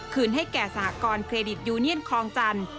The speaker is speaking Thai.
ให้แก่สหกรณเครดิตยูเนียนคลองจันทร์